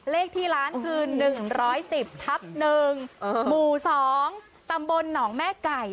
เลขที่ร้านคือหนึ่งร้อยสิบทับหนึ่งเออหมู่สองตำบลหนองแม่ไก่